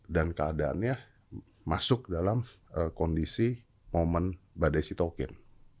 dan keadaannya masuk dalam kondisi momen badai sitokin